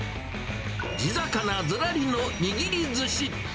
地魚ずらりの握りずし。